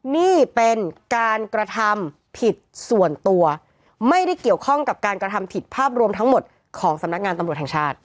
นี่เป็นการกระทำผิดส่วนตัวไม่ได้เกี่ยวข้องกับการกระทำผิดภาพรวมทั้งหมดของสำนักงานตำรวจแห่งชาติ